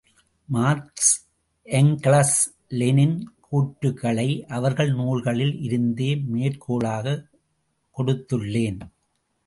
Marks, Engels, Lenin கூற்றுக்களை அவர்கள் நூல்களில் இருந்தே மேற்கோளாகக் கொடுத்துள்ளேன்.